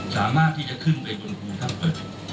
สามารถที่จะขึ้นไว้บนภูทัพเบอร์